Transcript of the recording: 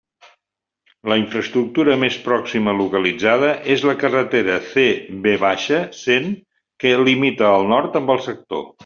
La infraestructura més pròxima localitzada és la carretera CV cent que limita al nord amb el sector.